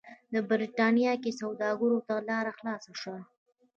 په برېټانیا کې سوداګرو ته لار خلاصه شوه.